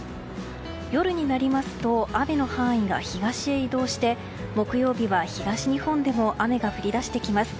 夜になりますと雨の範囲が東へ移動して木曜日は東日本でも雨が降り出してきます。